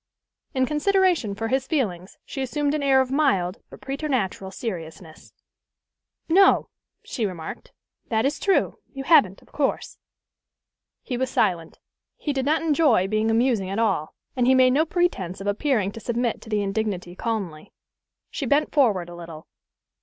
In consideration for his feelings she assumed an air of mild but preternatural seriousness. "No," she remarked, "that is true: you haven't, of course." He was silent. He did not enjoy being amusing at all, and he made no pretence of appearing to submit to the indignity calmly. She bent forward a little.